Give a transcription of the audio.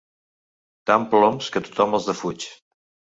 Tan ploms que tothom els defuig.